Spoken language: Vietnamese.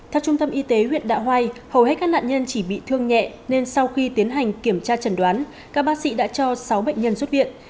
theo trung tâm y tế huyện đạ hoai hầu hết các nạn nhân chỉ bị thương nhẹ nên sau khi tiến hành kiểm tra trần đoán các bác sĩ đã cho sáu bệnh nhân xuất viện